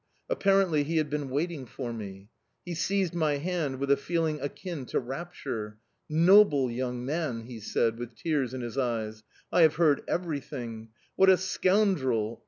Apparently he had been waiting for me. He seized my hand with a feeling akin to rapture. "Noble young man!" he said, with tears in his eyes. "I have heard everything. What a scoundrel!